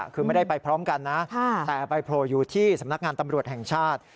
คือไม่ได้ไปพร้อมกันนะแต่ไปโผล่อยู่ที่สำนักงานตำรวจแห่งชาติ